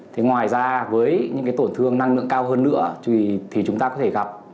thế ngoài ra với những tổn thương năng lượng cao hơn nữa thì chúng ta có thể gặp